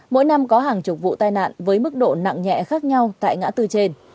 mỗi năm có hàng chục vụ tai nạn với mức độ nặng nhẹ khác nhau tại ngã tư trên